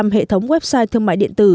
hệ thống website thương mại điện tử